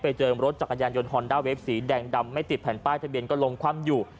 เจอรถจักรยานยนต์ฮอนด้าเวฟสีแดงดำไม่ติดแผ่นป้ายทะเบียนก็ลงคว่ำอยู่